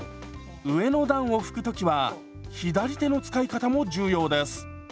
上の段を拭く時は左手の使い方も重要です。